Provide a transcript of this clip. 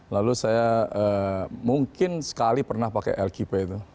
lalu saya mungkin sekali pernah pakai lkp itu